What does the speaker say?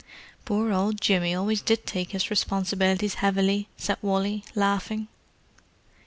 "Poor old Jimmy always did take his responsibilities heavily," said Wally, laughing.